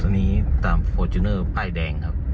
ตอนนี้ตามโฟชินเนอร์ปลายแดงครับ